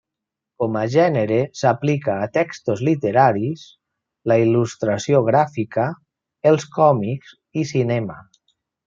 Com a gènere s'aplica a textos literaris, la il·lustració gràfica, els còmics i cinema.